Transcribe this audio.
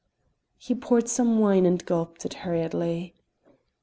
He poured some wine and gulped it hurriedly.